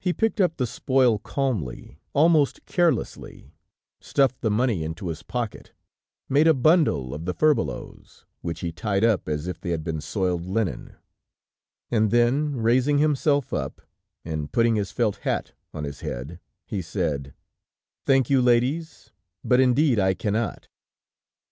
He picked up the spoil calmly, almost carelessly, stuffed the money into his pocket, made a bundle of the furbelows, which he tied up as if they had been soiled linen, and then raising himself up, and putting his felt hat on his head, he said: "Thank you, ladies, but indeed I cannot."